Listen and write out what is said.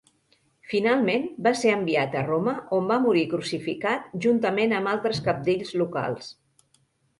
Finalment, va ser enviat a Roma, on va morir crucificat juntament amb altres cabdills locals.